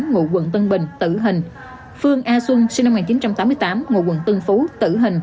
ngụ quận tân bình tử hình phương a xuân sinh năm một nghìn chín trăm tám mươi tám ngụ quận tân phú tử hình